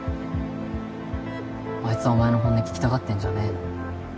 あいつはお前の本音聞きたがってんじゃねえの？